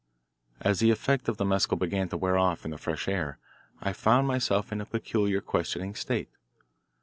As the effect of the mescal began to wear off in the fresh air, I found myself in a peculiar questioning state.